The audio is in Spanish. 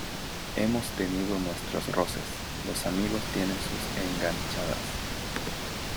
hemos tenido nuestros roces. los amigos tienen sus enganchadas,